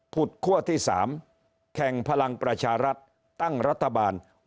ขั้วที่๓แข่งพลังประชารัฐตั้งรัฐบาล